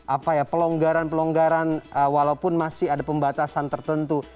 apa ya pelonggaran pelonggaran walaupun masih ada pembatasan tertentu